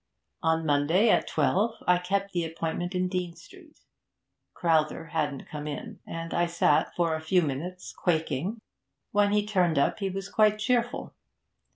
On Monday at twelve I kept the appointment in Dean Street. Crowther hadn't come in, and I sat for a few minutes quaking. When he turned up, he was quite cheerful.